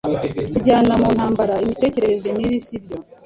Kujyana mu ntambara imitekerereze mibi sibyo